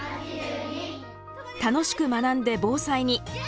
楽しく学んで防災に。